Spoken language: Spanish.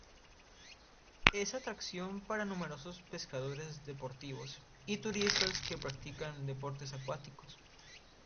Es atracción para numerosos pescadores deportivos y turistas que practican deportes acuáticos.